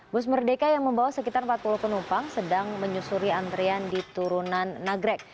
bus merdeka yang membawa sekitar empat puluh penumpang sedang menyusuri antrian di turunan nagrek